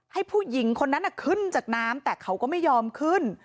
ให้ผู้หญิงคนนั้นขึ้นจากน้ำแต่เขาก็ไม่ยอมขึ้น